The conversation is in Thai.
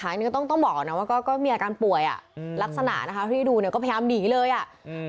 อันนี้ก็ต้องต้องบอกก่อนนะว่าก็ก็มีอาการป่วยอ่ะอืมลักษณะนะคะที่ดูเนี่ยก็พยายามหนีเลยอ่ะอืม